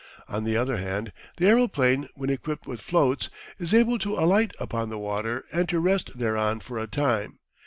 On the other hand, the aeroplane when equipped with floats, is able to alight upon the water, and to rest thereon for a time.